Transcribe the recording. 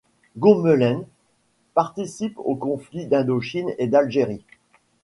Gourmelen participe aux conflits d'Indochine et d'Algérie.